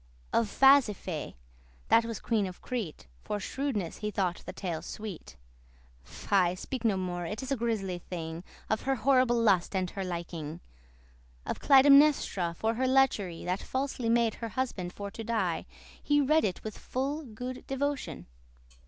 *ceases Of Phasiphae, that was queen of Crete, For shrewedness* he thought the tale sweet. *wickedness Fy, speak no more, it is a grisly thing, Of her horrible lust and her liking. Of Clytemnestra, for her lechery That falsely made her husband for to die, He read it with full good devotion.